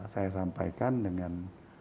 saya sampaikan dengan